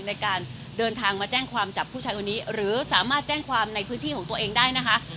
ในการเดินทางมาแจ้งความจับผู้ชายคนนี้หรือสามารถแจ้งความในพื้นที่ของตัวเองได้นะคะ